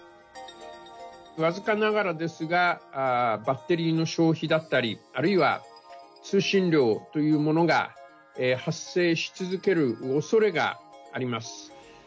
僅かながらですが、バッテリーの消費だったり、あるいは通信料というものが発生し続けるおそれがあります。